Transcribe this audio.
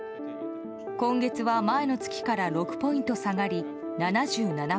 今月は、前の月から６ポイント下がり７７％。